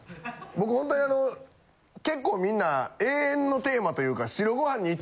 僕ほんとにあの結構みんな永遠のテーマというか。